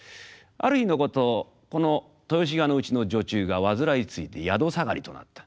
ある日のことこの豊志賀のうちの女中が患いついて宿下がりとなった。